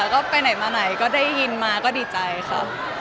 แล้วก็ไปไหนมาไหนก็ได้ยินมาก็ดีใจค่ะ